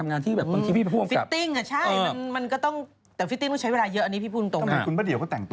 ไม่มีใครว่าอะไร